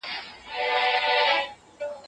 تاسې مسؤلیت لرئ.